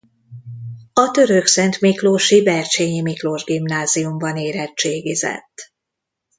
A törökszentmiklósi Bercsényi Miklós Gimnáziumban érettségizett.